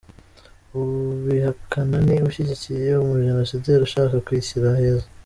Ubihakana ni ushyigikiye umujenosideri ushaka kwishyira heza.